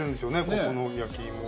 ここの焼き芋は。